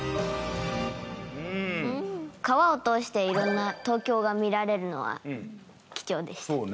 川を通していろんな東京が見られるのは貴重でした。